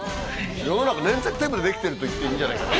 世の中粘着テープでできているといっていいんじゃないかな。